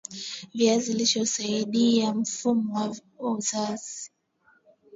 viazi lishe husaidia mfumo wa uzazi